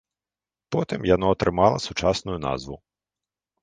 Потым яно атрымала сучасную назву.